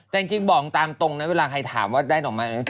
แต่จริงบอกตามตรงนะเวลาใครถามว่าได้ดอกไม้